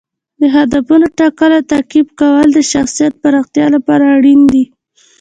د هدفونو ټاکل او تعقیب کول د شخصیت پراختیا لپاره اړین دي.